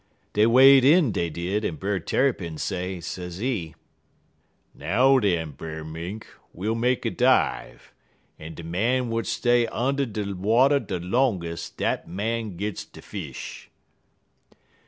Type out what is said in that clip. "Dey wade in, dey did, en Brer Tarrypin say, sezee: "'Now, den, Brer Mink, we'll make a dive, en de man w'at stay und' de water de longest dat man gits de fish.'